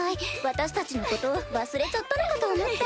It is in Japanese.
私たちのこと忘れちゃったのかと思った。